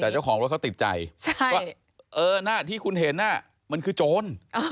แต่เจ้าของรถเขาติดใจว่าเออหน้าที่คุณเห็นมันคือโจร